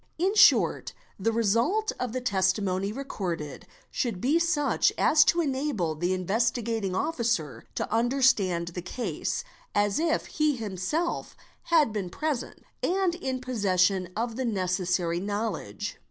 In short the result of the testimony recorded should be such as to enable the Investigating Officer to under — stand the case, as if he had himself been present and in possession of the — necessary knowledge.